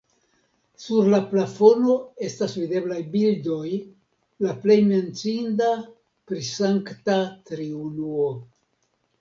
Sur la plafono estas videblaj bildoj, la plej menciinda pri Sankta Triunuo.